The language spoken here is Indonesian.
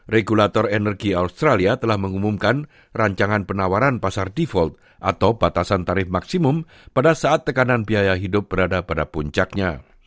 regulator energi australia telah mengumumkan rancangan penawaran pasar default atau batasan tarif maksimum pada saat tekanan biaya hidup berada pada puncaknya